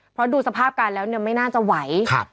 เพราะดูสภาพการแล้วเนี่ยไม่น่าจะไหว